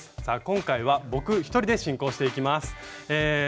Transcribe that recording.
さあ今回は僕一人で進行していきます。